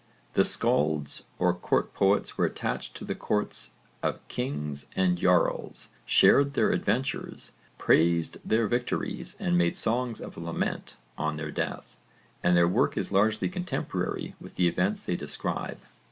The skalds or court poets were attached to the courts of kings and jarls, shared their adventures, praised their victories, and made songs of lament on their death, and their work is largely contemporary with the events they describe.